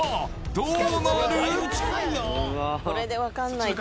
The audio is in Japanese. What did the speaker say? どうなる？